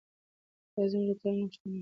دا زموږ د ټولو غوښتنه ده.